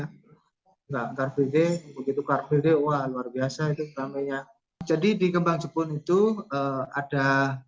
enggak car free day begitu car free day wah luar biasa itu ramenya jadi di kembang jepun itu ada